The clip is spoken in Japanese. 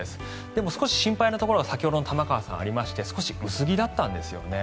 でも少し心配なところが先ほどの玉川さんにありまして少し薄着だったんですよね。